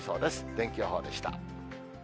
天気予報でした。